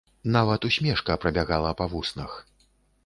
Нават усмешка прабягала па вуснах.